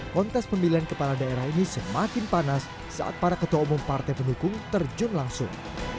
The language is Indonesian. kontes pemilihan kepala daerah ini semakin panas saat para ketua umum partai pendukung terjun langsung